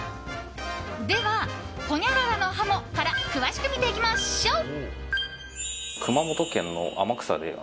では、ほにゃららのハモから詳しく見ていきましょう。